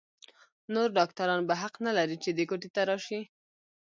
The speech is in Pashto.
نور ډاکتران به حق نه لري چې دې کوټې ته راشي.